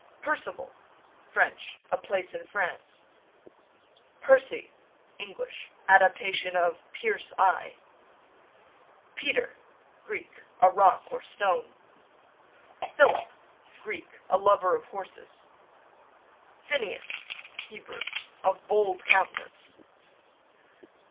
Percival, French, a place in France. Percy, English, adaptation of "pierce eye." Peter, Greek, a rock or stone. Philip, Greek, a lover of horses. Phineas, Hebrew, of bold countenance.